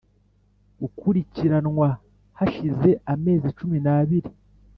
gukurikiranwa hashize amezi cumi n abiri